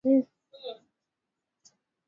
kuwasusia wasiwanunue madawa mitaani